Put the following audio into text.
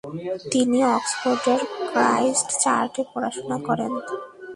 তিনি অক্সফোর্ডের ক্রাইস্ট চার্চে পড়াশুনা করেন।